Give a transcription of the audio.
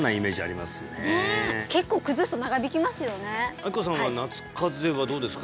明子さんは夏風邪はどうですか？